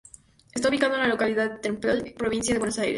Está ubicado en la localidad de Temperley, provincia de Buenos Aires.